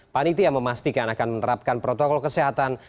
panitia memastikan akan menerapkan protokol kesehatan